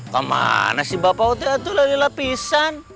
kemana si bapa tuh tuh lagi lapisan